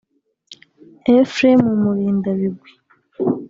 Ephrem Murindabigwi